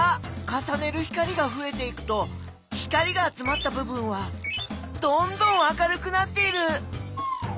かさねる光がふえていくと光が集まったぶ分はどんどん明るくなっている。